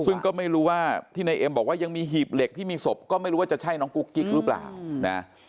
ซึ่งก็ไม่รู้ว่าที่นายเอ็มบอกว่ายังมีหีบเหล็กที่มีศพก็ไม่รู้ว่าจะใช่น้องกุ๊กกิ๊กหรือเปล่านะ